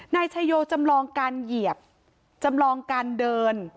นายชายโยจำลองการเหยียบจำลองการเดิน